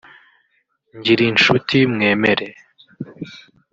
Ngirinshuti Mwemere